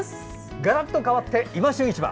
ガラッと変わって「いま旬市場」。